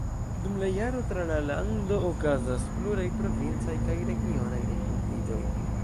Dum la jaro tra la lando okazas pluraj provincaj kaj regionaj renkontiĝoj.